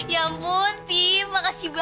ya ampun tim makasih banget ya